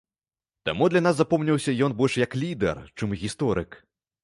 Таму для нас запомніўся ён больш як лідар, чым гісторык.